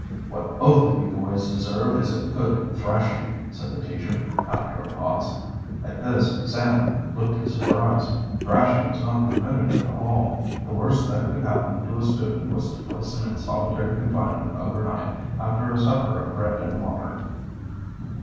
"What both of you boys deserve is a good thrashing," said the teacher, after a pause. At this Sam looked his surprise. Thrashing was not permitted at the Hall. The worst that could happen to a student was to place him in solitary confinement over night, after a supper of bread and water.